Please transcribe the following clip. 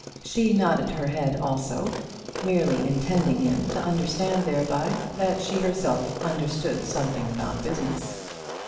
She nodded her head also, merely intending him to understand thereby that she herself understood something about business.